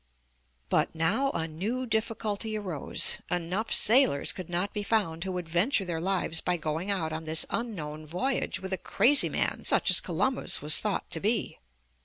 Ill But now a new difficulty arose. Enough sailors could not be found who would venture their lives by going out on this unknown voyage with a crazy man such as Columbus was . thought to be.